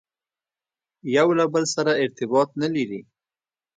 یو له بل سره ارتباط نه لري.